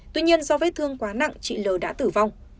tuy nhiên do vết thương quá nặng chị l đã tử vong